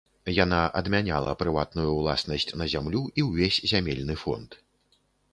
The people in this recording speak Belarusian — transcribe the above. Яна адмяняла прыватную ўласнасць на зямлю і ўвесь зямельны фонд.